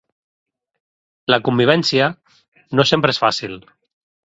La convivència no sempre és fàcil.